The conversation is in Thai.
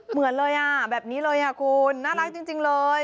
เหมือนเลยอ่ะแบบนี้เลยคุณน่ารักจริงเลย